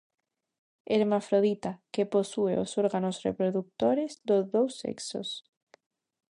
Hermafrodita: Que posúe os órganos reprodutores dos dous sexos.